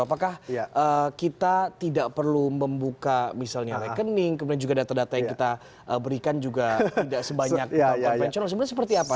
apakah kita tidak perlu membuka misalnya rekening kemudian juga data data yang kita berikan juga tidak sebanyak bank konvensional